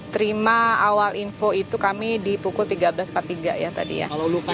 terima awal info itu kami di pukul tiga belas empat puluh tiga ya tadi ya